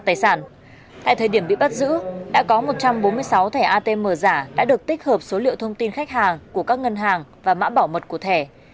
tại thời điểm bị bắt giữ đã có một trăm bốn mươi sáu thẻ atm giả đã được tích hợp số liệu thông tin khách hàng của các ngân hàng và mã bảo mật của thẻ